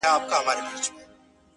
ما وېل سفر کومه ځمه او بیا نه راځمه’